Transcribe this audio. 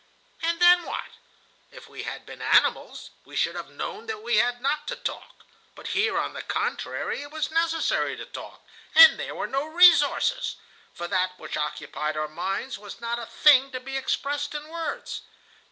"And then what? If we had been animals, we should have known that we had not to talk. But here, on the contrary, it was necessary to talk, and there were no resources! For that which occupied our minds was not a thing to be expressed in words.